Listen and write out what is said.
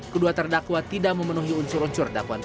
kedua terdakwa tidak memenuhi unsur unsur dakwaan